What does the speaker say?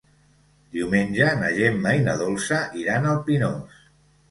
Diumenge na Gemma i na Dolça iran al Pinós.